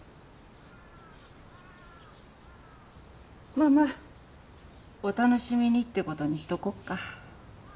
まあまあお楽しみにってことにしとこっか。